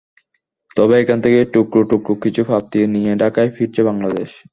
তবে এখান থেকে টুকরো টুকরো কিছু প্রাপ্তি নিয়ে ঢাকায় ফিরছে বাংলাদেশ।